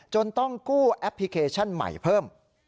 ต้องกู้แอปพลิเคชันใหม่เพิ่ม